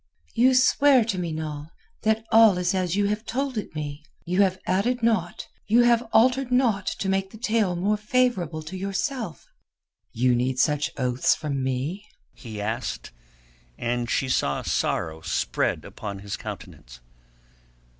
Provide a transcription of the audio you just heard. "You swear to me, Noll, that all is as you have told it me—you have added naught, you have altered naught to make the tale more favourable to yourself?" "You need such oaths from me?" he asked, and she saw sorrow spread upon his countenance.